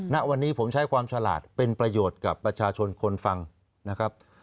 ณวันนี้ผมใช้ความฉลาดเป็นประโยชน์กับประชาชนคนฟังนะครับ